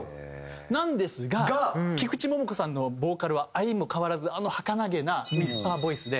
なんですが菊池桃子さんのボーカルは相も変わらずあのはかなげなウィスパーボイスで。